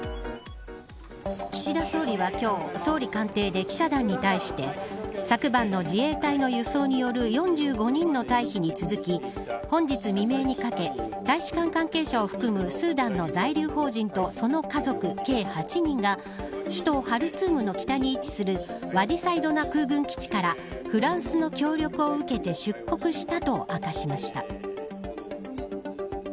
岸田総理は今日総理官邸で、記者団に対して昨晩の自衛隊に輸送による４５人の退避に続き本日未明にかけ大使館関係者を含むスーダンの在留邦人とその家族計８人が首都ハルツームのワディサイドナ空軍基地からフランスの協力を得て出国したということです。